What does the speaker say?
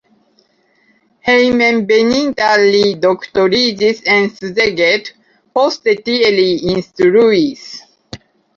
Hejmenveninta li doktoriĝis en Szeged, poste tie li instruis.